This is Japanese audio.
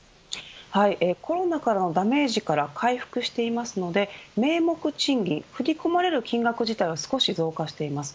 コロナからのダメージから回復していますので名目賃金振り込まれる金額自体は少し増加してます。